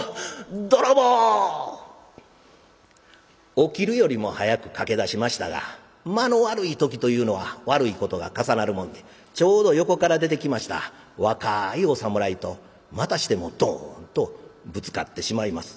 起きるよりも早く駆け出しましたが間の悪い時というのは悪いことが重なるもんでちょうど横から出てきました若いお侍とまたしてもドンとぶつかってしまいます。